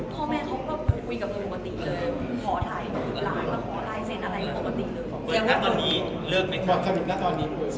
พ่อแม่เขาก็คุยกับผมปกติเลย